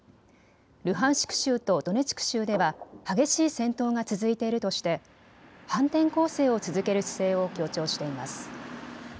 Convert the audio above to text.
ルハンシク州とドネツク州では激しい戦闘が続いているとして反転攻勢を続ける姿勢を強調しています。